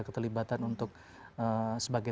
keterlibatan untuk sebagai